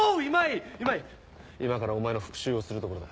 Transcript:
今からお前の復讐をするところだ。